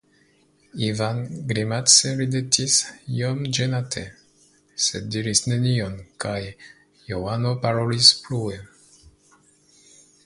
Ivan grimace ridetis iom ĝenate, sed diris nenion kaj Johano parolis plue.